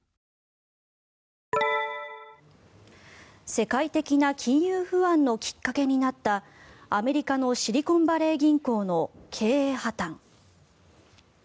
世界的な金融不安のきっかけになったアメリカのシリコンバレー銀行の経営破たん。